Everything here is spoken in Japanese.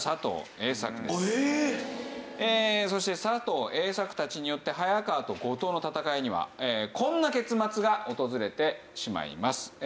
そして佐藤栄作たちによって早川と五島の戦いにはこんな結末が訪れてしまいます。